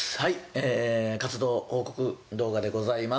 活動報告動画でございます。